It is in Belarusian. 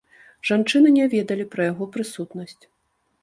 Жанчыны не ведалі пра яго прысутнасць.